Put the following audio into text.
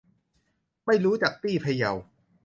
ไม่รู้จักตี้ พะเยา